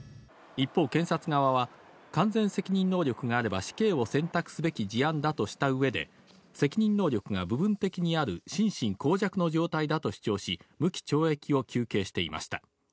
一方、検察側は、完全責任能力があれば、死刑を選択すべき事案だとしたうえで、責任能力が部分的にある心神耗弱の状態だと主張し、無期懲役を求刑していました。